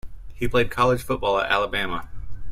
He played college football at Alabama.